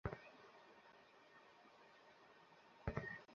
Point আছে হ্যা, আসলে আমিও তাই মানি।